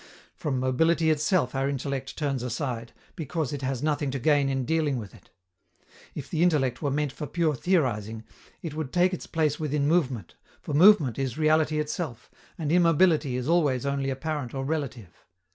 From mobility itself our intellect turns aside, because it has nothing to gain in dealing with it. If the intellect were meant for pure theorizing, it would take its place within movement, for movement is reality itself, and immobility is always only apparent or relative.